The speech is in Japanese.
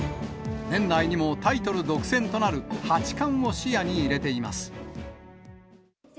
年内にも、タイトル独占となる八冠を視野に入れています。